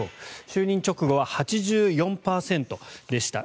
就任直後は８４％でした。